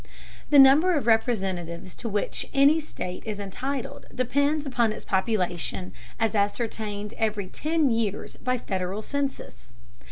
The number of Representatives to which any state is entitled depends upon its population as ascertained every ten years by a Federal census.